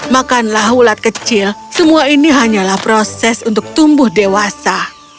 makanlah ulat kecil semua ini hanyalah proses untuk tumbuh dewasa